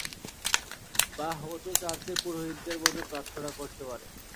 বাহ, ও তো চার্চের পুরোহিতদের মতো প্রার্থনা করতে পারে!